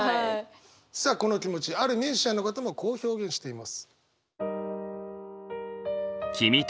さあこの気持ちあるミュージシャンの方もこう表現しています。